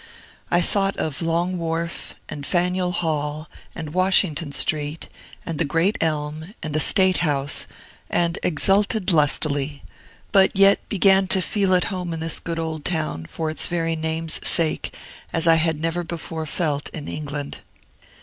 I thought of Long Wharf, and Faneuil Hall, and Washington Street, and the Great Elm, and the State House, and exulted lustily, but yet began to feel at home in this good old town, for its very name's sake, as I never had before felt, in England.